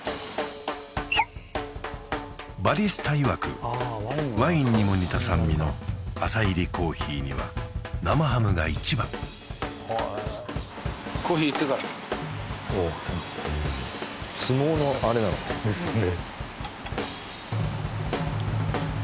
バリスタいわくワインにも似た酸味の浅煎りコーヒーには生ハムが一番相撲のあれなのかなですね